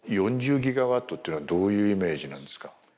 ４０ギガワットというのはどういうイメージなんですか？